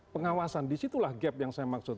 pengawasan disitulah gap yang saya maksud